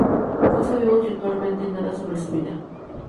No sabemos virtualmente nada sobre su vida.